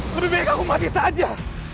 lebih baik aku mati saja